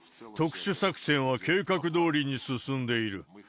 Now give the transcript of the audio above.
特殊作戦は計画どおりに進んでいる。